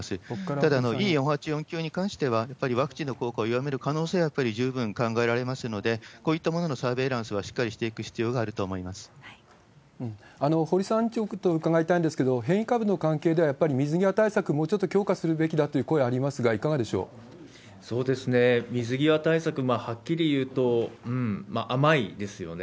ただＥ４８４Ｑに関しては、やっぱりワクチンの効果を弱める可能性はやっぱり十分考えられますので、こういったもののサーベイランスはしっかりしていく必要があると堀さん、きょうちょっと伺いたいんですけど、変異株の関係では、やっぱり水際対策、もうちょっと強化するべきだという声ありますが、いかがでしょう水際対策、はっきり言うと、甘いですよね。